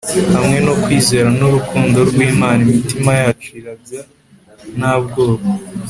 hamwe no kwizera nurukundo rwimana imitima yacu irabya nta bwoba